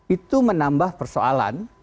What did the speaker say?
itu menambah persoalan